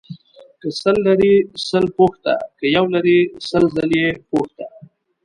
که سل لرې سل پوښته ، که يو لرې سل ځله يې پوښته.